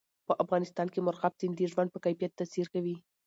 په افغانستان کې مورغاب سیند د ژوند په کیفیت تاثیر کوي.